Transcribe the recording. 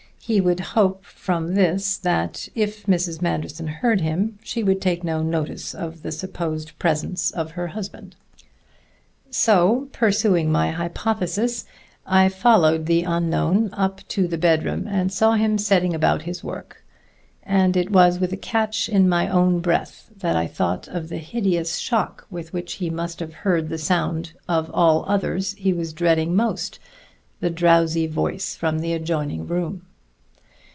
He would hope from this that if Mrs. Manderson heard him, she would take no notice of the supposed presence of her husband. So, pursuing my hypothesis, I followed the unknown up to the bedroom, and saw him setting about his work. And it was with a catch in my own breath that I thought of the hideous shock with which he must have heard the sound of all others he was dreading most: the drowsy voice from the adjoining room.